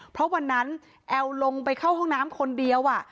เพราะวันนั้นแอลลงไปเข้าห้องน้ำคนเดียว